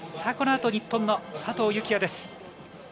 このあと日本の佐藤幸椰です。